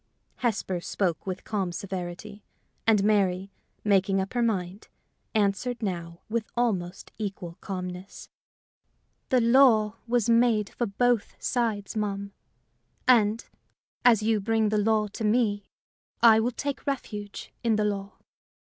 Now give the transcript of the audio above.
Hesper spoke with calm severity, and Mary, making up her mind, answered now with almost equal calmness. "The law was made for both sides, ma'am; and, as you bring the law to me, I will take refuge in the law.